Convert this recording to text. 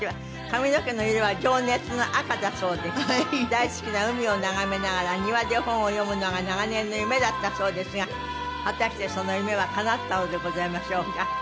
大好きな海を眺めながら庭で本を読むのが長年の夢だったそうですが果たしてその夢はかなったのでございましょうか。